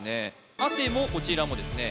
汗もこちらもですね